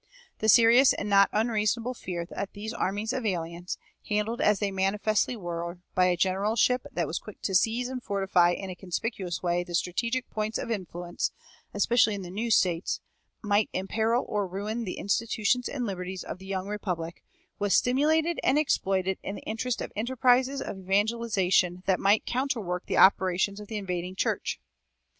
The serious and not unreasonable fear that these armies of aliens, handled as they manifestly were by a generalship that was quick to seize and fortify in a conspicuous way the strategic points of influence, especially in the new States, might imperil or ruin the institutions and liberties of the young Republic, was stimulated and exploited in the interest of enterprises of evangelization that might counter work the operations of the invading church.